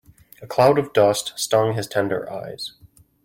A cloud of dust stung his tender eyes.